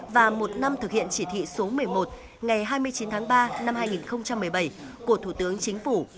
và một năm thực hiện chỉ thị số một mươi một ngày hai mươi chín tháng ba năm hai nghìn một mươi bảy của thủ tướng chính phủ